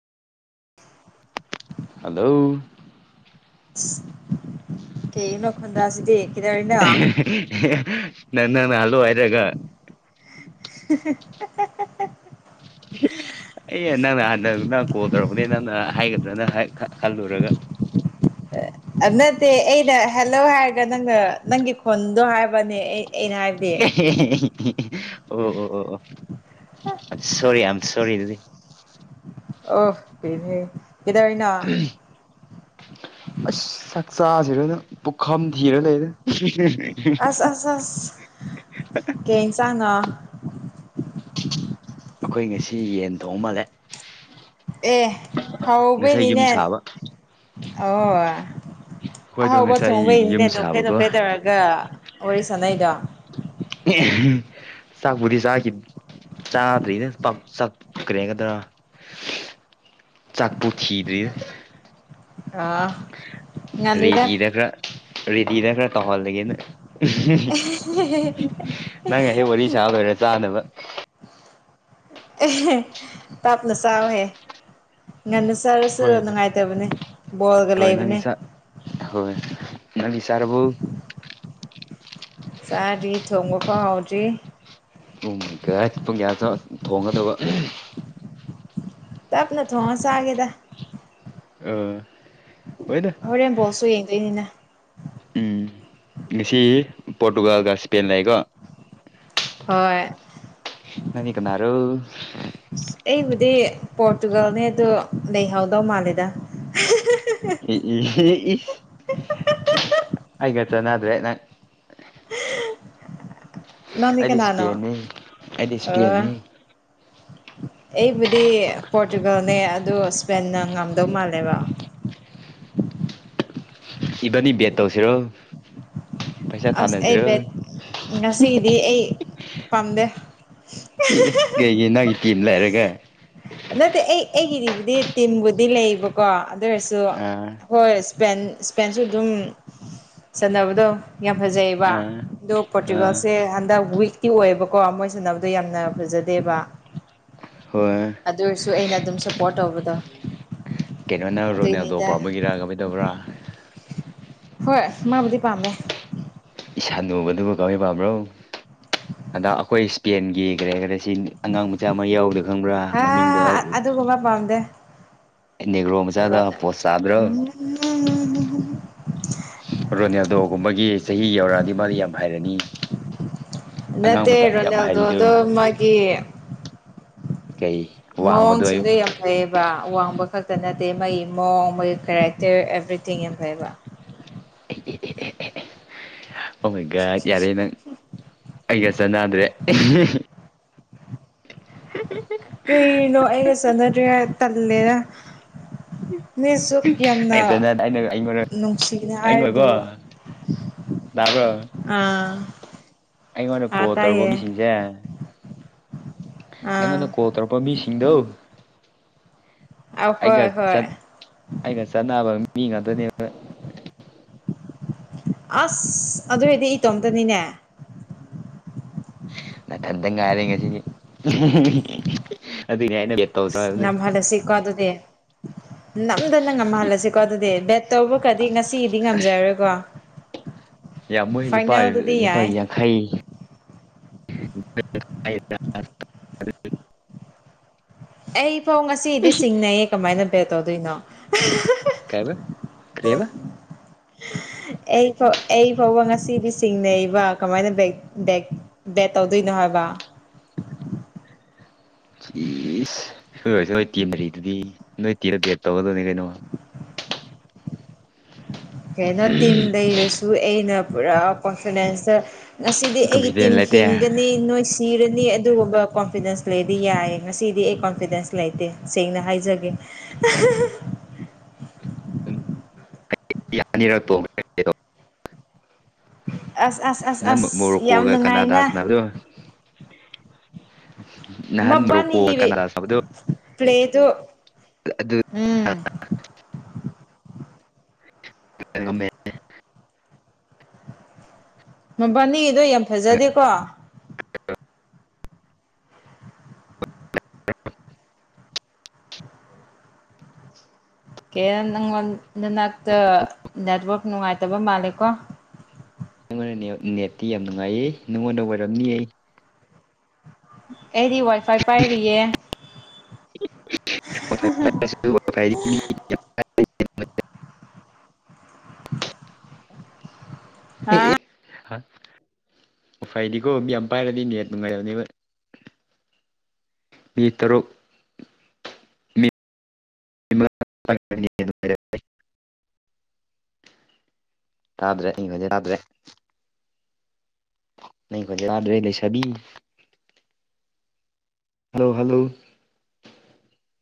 hello ꯀꯅ ꯈꯟꯗꯥꯁꯤꯗꯤ ꯅꯟꯅ ꯅꯂꯣ ꯍꯥꯏꯔꯒ [unintelligible] ꯑꯩ ꯅꯪꯅ ꯍꯟꯗꯛ ꯅꯪ ꯀꯣꯜ ꯇꯧꯔꯛꯄꯅꯦ ꯅꯪꯅ ꯍꯥꯏꯒ ꯑꯗꯨꯅ ꯍꯜꯂꯨꯔꯒ ꯑꯗꯨ ꯅꯠꯇꯦ ꯑꯩꯅ ꯍꯜꯂꯣ ꯍꯥꯏꯔꯒ ꯅꯪ ꯅꯪꯒꯤ ꯈꯣꯟꯗꯣ ꯍꯥꯏꯕ ꯍꯥꯏꯕꯅꯦ ꯑꯩ ꯑꯩꯅ ꯍꯥꯏꯕꯗꯤ ꯑꯣ ꯑꯣ ꯑꯣ ꯑꯣ ꯁꯣꯔꯤ ꯑ ꯁꯣꯔꯤ ꯑꯗꯨꯗꯤ ꯑꯣ ꯏꯗꯅ ꯑꯁ ꯆꯥꯛꯆꯥꯁꯤꯔꯣꯏꯅ ꯄꯨꯈꯝ ꯊꯤꯔ ꯂꯩꯔꯦ ꯑꯁ ꯑꯁ ꯑꯁ ꯀ ꯆꯥꯡꯉ ꯑꯩꯈꯣꯏ ꯉꯁꯤ ꯌꯦꯟ ꯊꯣꯡ ꯃꯥꯜꯂꯦ ꯑꯦ ꯉꯁꯥꯏ ꯌꯨꯝ ꯍꯥꯎꯕꯅꯤꯅꯦ ꯁꯥꯕ ꯑꯣ ꯑꯩꯈꯣꯏꯗꯣ ꯑꯍꯥꯎꯕ ꯉꯁꯥꯏ ꯌꯨꯝ ꯊꯣꯡꯕꯩꯅꯤꯅꯦ ꯅꯣꯐꯦ ꯁꯥꯕꯀꯣ ꯅꯣꯐꯦ ꯇꯧꯔꯒ ꯋꯥꯔꯤ ꯁꯥꯟꯅꯩꯗꯣ ꯆꯥꯛꯕꯨꯗꯤ ꯆꯥꯈꯤ ꯆꯥꯗ꯭ꯔꯤꯅꯦ ꯆꯠꯈ꯭ꯔꯦꯒꯗ꯭ꯔꯥ ꯆꯥꯛꯄꯨ ꯊꯤꯗ꯭ꯔꯤ ꯑꯥ ꯉꯜꯂꯤꯗ ꯔꯦꯗꯤ ꯗꯔꯥ ꯔꯦꯗꯤ ꯗꯔꯥ ꯇꯧꯍꯜ ꯂꯩꯒꯦꯅ ꯅꯪ ꯉꯍꯦꯛ ꯋꯥꯔꯤ ꯁꯥ ꯂꯣꯏꯔ ꯆꯥꯗꯅꯕ ꯇꯞꯅ ꯆꯥꯎꯍꯦ ꯉꯟꯅ ꯁꯔꯁꯨ ꯍꯣꯏꯅꯦ ꯅꯨꯡꯉꯥꯏꯇꯕꯅꯦ ꯕꯣꯜꯒ ꯂꯩꯕꯅꯦ ꯅꯕꯤꯁꯔꯕꯨ ꯁꯥꯔꯤ ꯊꯣꯡꯕꯄ ꯍꯥꯎꯖꯤ꯭ꯔꯤ ꯄꯨꯡꯒꯌꯥ ꯄꯨꯡ ꯀꯌꯥ ꯊꯣꯡꯒꯗꯕ ꯇꯞꯅ ꯊꯣꯡꯁꯒꯦꯗ ꯑ ꯍꯣꯔꯦꯟ ꯕꯣꯠꯁꯨ ꯌꯦꯡꯗꯣꯏꯅꯤꯅ ꯎꯝ ꯉꯁꯤ ꯄꯣꯔꯇꯨꯒꯥꯜꯒ ꯏꯁꯄꯦꯟ ꯂꯩꯀꯣ ꯍꯣꯏ ꯅꯅꯤ ꯀꯅꯔꯣ ꯑꯗꯨ ꯄꯣꯔꯇꯨꯒꯜꯅꯦ ꯑꯗꯨ ꯂꯩꯍꯧꯗꯧ ꯃꯥꯜꯂꯦꯗ ꯏ ꯏ ꯏ ꯑꯩꯒ ꯆꯅꯗ꯭ꯔꯦ ꯅꯪ ꯅꯃꯤ ꯑꯩꯗꯤ ꯀꯅꯥꯅꯣ ꯏꯁꯄꯦꯟꯅꯤ ꯑꯩꯗꯤ ꯑ ꯏꯁꯄꯦꯟꯅꯤ ꯑꯩꯕꯨꯗꯤ ꯄꯣꯔꯇꯨꯒꯜꯅꯦ ꯑꯗꯨ ꯏꯁꯄꯦꯟꯅ ꯉꯝꯗꯧ ꯃꯥꯜꯂꯦꯕ [inaudible] ꯏꯕꯅꯤ ꯕꯦꯠ ꯇꯧꯁꯤꯔꯣ ꯄꯩꯁꯥ ꯑꯁ ꯑꯩ ꯊꯥꯅꯁꯤꯔꯣ ꯕꯦꯠ ꯉꯁꯤꯒꯤꯗꯤ ꯑꯩ ꯄꯥꯝꯗꯦ ꯑꯦ ꯑꯦ ꯀꯩꯒꯤ ꯅꯪꯒꯤ ꯇꯤꯝ ꯂꯩꯔꯒ ꯅꯠꯇꯦ ꯑꯩ ꯑꯩꯒꯤꯗꯤꯕꯨꯗꯤ ꯇꯤꯝꯕꯨꯗꯤ ꯂꯩꯕꯀꯣ ꯑꯗꯨ ꯑꯣꯏꯔꯁꯨ ꯑꯥ ꯍꯣꯏ ꯁꯄꯦꯟ ꯏꯁꯄꯦꯟꯁꯨ ꯑꯗꯨꯝ ꯁꯥꯟꯅꯕꯗꯣ ꯌꯥꯝ ꯐꯖꯩꯑꯕ ꯑꯥ ꯑꯗꯣ ꯑꯥ ꯄꯣꯔꯇꯨꯒꯥꯜꯁꯦ ꯍꯟꯗꯛ ꯋꯤꯛ ꯇꯤ ꯑꯣꯏꯌꯦꯕꯀꯣ ꯃꯣꯏ ꯁꯥꯟꯅꯕꯗꯣ ꯌꯥꯝꯅ ꯐꯖꯗꯦꯕ ꯍꯣꯏ ꯑꯗꯨ ꯑꯣꯏꯔꯁꯨ ꯑꯩꯅ ꯑꯗꯨꯝ ꯁꯞꯄꯣꯔꯠ ꯇꯧꯕꯗꯣ ꯀꯩꯅꯣꯅ ꯔꯣꯅꯥꯜꯗꯣ ꯑꯗꯨꯏꯅꯤꯗ ꯄꯥꯝꯕꯒꯤꯔ ꯀꯝꯃꯥꯏꯗꯕ꯭ꯔꯥ ꯍꯣꯏ ꯃꯥꯕꯨꯗꯤ ꯄꯥꯝꯃꯦ ꯁꯟꯗꯕꯗꯨꯕꯨ ꯀꯧꯋꯤ ꯄꯥꯝꯕ꯭ꯔꯣ ꯑꯟꯗꯛ ꯑꯩꯈꯣꯏ ꯏꯁꯄꯦꯟꯒꯤ ꯀꯔꯤ ꯀꯔꯤ ꯑꯁꯤ ꯑꯉꯥꯡ ꯃꯆꯥ ꯑꯃ ꯌꯥꯎꯗꯦ ꯈꯪꯕ꯭ꯔꯥ ꯃꯃꯤꯡꯗꯣ ꯅꯦꯒ꯭ꯔꯣ ꯃꯆꯥꯗ ꯄꯣꯁ ꯆꯥꯗ꯭ꯔꯣ ꯎ ꯔꯣꯅꯥꯜꯗꯣꯒꯨꯝꯕꯒꯤ ꯆꯍꯤ ꯌꯧꯔꯛꯑꯗꯤ ꯃꯥꯗꯤ ꯌꯥꯝ ꯍꯥꯏꯩꯔꯅꯤ ꯅꯠꯇꯦ ꯍꯥꯏꯂ ꯌꯥꯎꯗꯣ ꯑꯗꯣ ꯃꯥꯒꯤ ꯀꯩ ꯋꯥꯡꯕꯗꯣ ꯑꯌꯨ ꯃꯑꯣꯡꯁꯤꯗ ꯌꯥꯝ ꯐꯩꯌꯦꯕ ꯑꯋꯥꯡꯕ ꯈꯛꯇ ꯅꯠꯇꯦ ꯃꯒꯤ ꯃꯑꯣꯡ ꯃꯣꯏ ꯀꯦꯔꯦꯛꯇꯔ ꯑꯦꯕ꯭ꯔꯤꯊꯤꯡ ꯌꯥꯝ ꯐꯩꯕ [inaudible] ꯑꯍꯣꯏ ꯒꯥꯏꯗ ꯌꯥꯔꯦ ꯅꯪ ꯑꯩꯒ ꯆꯥꯟꯅꯗ꯭ꯔꯦ [inaudible] ꯀꯩꯅꯣ ꯑꯩꯒ ꯆꯠꯅꯗ꯭ꯔꯦ ꯇꯜꯂꯦꯔ ꯅꯁꯨ ꯌꯥꯝꯅ ꯑꯩ ꯆꯥꯟꯅꯗꯦ ꯑꯩꯅ ꯑꯩꯉꯣꯟꯗ ꯅꯨꯡꯁꯤꯒꯅꯤ ꯑꯩꯉꯣꯟꯗꯀꯣ ꯍꯥꯏꯔꯤꯗꯨꯕꯨ ꯇꯥꯕ꯭ꯔꯣ ꯑꯥ ꯑꯩꯉꯣꯟꯗ ꯀꯣ ꯑꯥ ꯇꯧꯔꯔꯕꯣ ꯇꯥꯏꯌꯦ ꯃꯤꯁꯤꯡꯁꯦ ꯑꯩꯉꯣꯟꯗ ꯑꯥ ꯀꯣꯜ ꯇꯧꯔꯛꯄ ꯃꯤꯁꯤꯡꯗꯧ ꯑ ꯑꯩꯒ ꯍꯣꯏ ꯍꯣꯏ ꯑꯩꯒ ꯆꯠꯅꯕ ꯃꯤ ꯉꯥꯛꯇꯅꯦꯕ ꯑꯁ ꯑꯗꯨꯔꯗꯤ ꯏꯇꯣꯝꯇꯅꯤꯅꯦ ꯅꯊꯟꯇꯪ ꯉꯥꯏꯔꯦ ꯉꯁꯤꯗꯤ ꯑꯗꯨꯒꯤꯅꯦ ꯑꯩꯅ ꯕꯦꯠ ꯇꯧꯁꯦ ꯅ ꯍꯥꯏꯕꯗꯣ ꯍꯂ ꯁꯤꯀꯣ ꯑꯗꯨꯗꯤꯦ ꯅꯝꯗꯅ ꯉꯝꯍꯜꯂꯁꯤꯀꯣ ꯑꯗꯨꯗꯤ ꯕꯦꯠ ꯇꯧꯕ ꯒꯗꯤ ꯉꯁꯤꯗꯤ ꯉꯝꯖꯔꯔꯣꯏꯀꯣ ꯌꯥ ꯃꯍꯤ ꯂ ꯄ ꯌꯥꯏ ꯌꯥ ꯈꯥꯏ [inaudible] [inaudible] ꯑꯩꯐꯧ ꯉꯁꯤꯗꯤ ꯆꯤꯡꯅꯩꯌꯦ ꯀꯃꯥꯏꯅ ꯕꯦꯠ ꯇꯧꯗꯣꯏꯅꯣ ꯀꯔꯤ ꯍꯥꯢꯕꯥ ꯀꯔꯤ ꯍꯥꯢꯕꯥ ꯑꯩ ꯑꯩ ꯐꯥꯎꯕ ꯉꯥꯁꯤꯗꯤ ꯆꯤꯡꯅꯩꯕ ꯀꯃꯥꯏꯅ ꯕꯦꯠ ꯕꯦꯛ ꯇꯧꯗꯣꯏꯅꯣ ꯍꯥꯏꯕ ꯍꯥꯢꯕ ꯏꯁ ꯍꯁ ꯅ ꯇꯤ ꯃꯔꯤꯗꯨꯗꯤ ꯅꯣꯏ ꯇꯤꯔ ꯦꯠ ꯇꯧꯒꯗꯕꯅꯤ ꯀꯩꯅꯣ [inaudible] ꯀꯅ ꯇꯤꯝ ꯂꯩꯔꯁꯨ ꯑꯩꯅ ꯄꯨꯔꯥ ꯄꯔꯐꯣꯔꯃꯦꯟꯁꯇ ꯉꯁꯤꯗꯤ ꯑꯩꯒꯤ ꯀꯟꯐꯤꯗꯦꯟ ꯇꯤꯝ ꯂꯩꯇꯦ ꯍꯤꯡꯒꯅꯤ ꯅꯣꯏ ꯁꯤꯔꯅꯤ ꯑꯗꯨꯒꯨꯝꯕ ꯀꯣꯟꯐꯤꯗꯦꯟꯁ ꯂꯩꯗꯤ ꯌꯥꯏ ꯉꯁꯤꯗꯤ ꯑꯩ ꯀꯣꯟꯐꯤꯗꯦꯟꯁ ꯂꯩꯇꯦ ꯁꯦꯡꯅ ꯍꯥꯏꯖꯒꯦ [inaudible] ꯌꯥꯅꯤꯔꯛꯇꯣꯗꯣ [inaudible] ꯑꯁ ꯑꯁ ꯑꯁ ꯅꯍꯥꯟ ꯑꯁ ꯌꯥꯝ ꯃꯣꯔꯣꯀꯣꯒ ꯀꯅꯥꯗꯥ ꯅꯨꯡꯉꯥꯏꯅ ꯁꯥꯟꯅꯕꯗꯣ ꯅꯍꯥꯟ ꯔꯣꯂꯨꯛꯀꯣ ꯃꯕꯥꯅꯤꯒꯤ ꯀꯅꯥꯗꯒ ꯁꯅꯕꯗꯣ ꯄ꯭ꯂꯦꯗꯨ ꯑꯗꯨ ꯎꯝ ꯃꯦ [inaudible] ꯃꯕꯥꯟꯅꯤꯗꯣ ꯌꯥꯝ ꯐꯖꯗꯦꯀꯣ ꯀꯦ ꯅꯪꯉꯣꯟꯗ ꯅꯅꯥꯛꯇ ꯅꯦꯠꯋꯥꯛ ꯅꯨꯡꯉꯥꯏꯇꯕ ꯃꯥꯜꯂꯦꯀꯣ ꯑꯩꯉꯣꯟꯗ ꯅꯦꯠꯇꯤ ꯌꯥꯝ ꯅꯨꯡꯉꯥꯏꯌꯦ ꯅꯉꯣꯟꯗ ꯑꯣꯏꯔꯝꯅꯤ ꯑꯩꯗꯤ ꯋꯥꯏ ꯐꯥꯏ ꯄꯥꯏꯔꯤꯌꯦ ꯃ ꯀ [inaudible] ꯑ [inaudible] ꯍꯥ [inaudible] ꯋꯥꯢ ꯐꯥꯢ ꯗꯤꯀꯣ ꯃꯤ ꯌꯥꯝ ꯄꯥꯏꯔꯗꯤ ꯅꯨꯡꯉꯥꯏ ꯅꯨꯡꯉꯥꯏꯇꯕꯅꯦ ꯃꯤ ꯇꯔꯨꯛ ꯃꯤ [inaudible] ꯇꯥꯗꯔ꯭ꯤ ꯇꯥꯗꯔꯦ [inaudible] ꯅꯪ ꯈꯣꯟꯖꯦꯜꯗꯣ ꯇꯥꯗꯔꯦ ꯂꯩꯁꯕꯤ ꯍꯜꯂꯣ ꯍꯜꯂꯣ